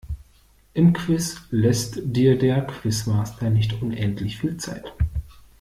Im Quiz lässt dir der Quizmaster nicht unendlich viel Zeit.